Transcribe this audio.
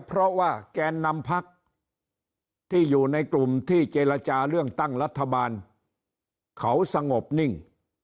เพราะว่าแกนนำพักที่อยู่ในกลุ่มที่เจรจาเรื่องตั้งรัฐบาลเขาสงบนิ่ง